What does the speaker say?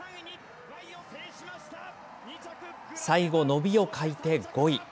最後、伸びを欠いて５位。